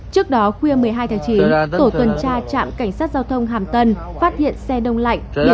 trước đó khuya một mươi hai tháng chín tổ tuần tra trạm cảnh sát giao thông hàm tân phát hiện xe đông lạnh